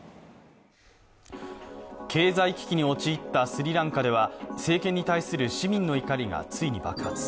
経済危機に陥ったスリランカでは政権に対する市民の怒りがついに爆発。